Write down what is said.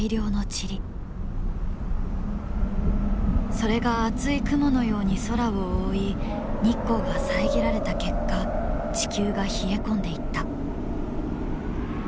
それが厚い雲のように空を覆い日光が遮られた結果地球が冷え込んでいった。